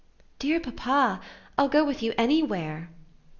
"Dear papa, I'll go with you anywhere."